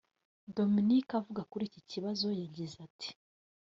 " Dominic avuga kuri iki kibazo yagize ati